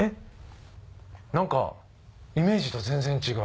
何かイメージと全然違う。